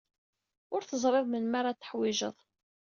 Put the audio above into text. Ur teẓriḍ melmi ara t-teḥwijeḍ.